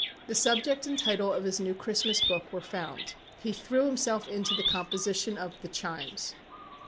The subject and title of his new Christmas book were found. He threw himself into the composition of "The Chimes."